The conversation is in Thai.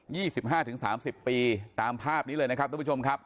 สิบห้าถึงสามสิบปีตามภาพนี้เลยนะครับทุกผู้ชมครับ